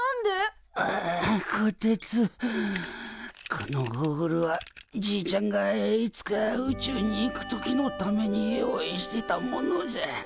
このゴーグルはじいちゃんがいつか宇宙に行く時のために用意してたものじゃ。